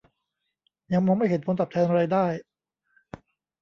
ยังมองไม่เห็นผลตอบแทนรายได้